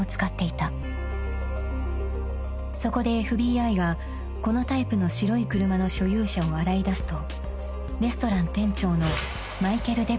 ［そこでＦＢＩがこのタイプの白い車の所有者を洗い出すとレストラン店長のマイケル・デブリンが浮上］